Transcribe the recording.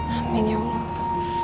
amin ya allah